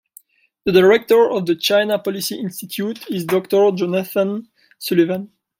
The Director of the China Policy Institute is Doctor Jonathan Sullivan.